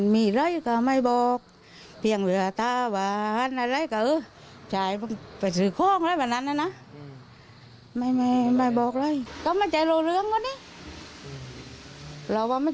ไม่บอกอะไร